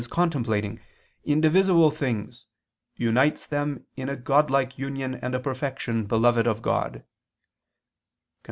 contemplating, "indivisible things, unites them in a Godlike union and a perfection beloved of God" [*Cf.